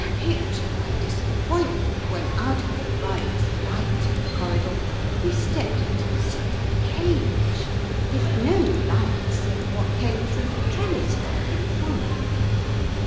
Picture my disappointment when out of the bright light of the corridor we stepped into a sort of cage, with no light save what came through the trellis work in front.